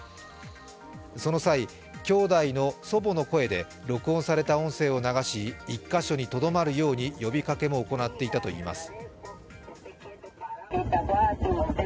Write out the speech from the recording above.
その際、きょうだいの祖母の声で録音された音声を流し、１か所にとどまるように呼びかけも行われたといいます。